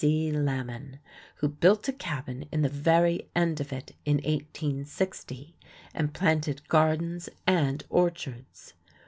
C. Lamon, who built a cabin in the very end of it in 1860 and planted gardens and orchards.